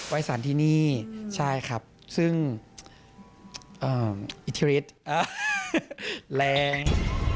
สารที่นี่ใช่ครับซึ่งอิทธิฤทธิ์แรง